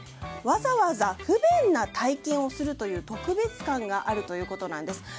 わざわざ不便な体験をするという特別感があるということなんです。